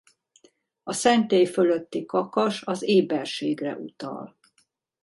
A szentély fölötti kakas az éberségre utal.